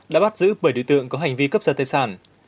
đã bắt giữ bảy đối tượng có hành vi cấp giật tài sản